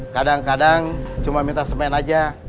kadang kadang cuma minta semen aja